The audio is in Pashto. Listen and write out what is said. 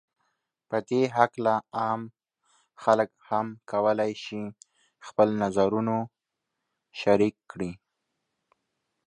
په دې هکله عام خلک هم کولای شي خپل نظرونو شریک کړي